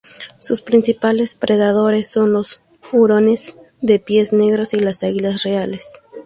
Sus principales predadores son los hurones de pies negros y las águilas reales.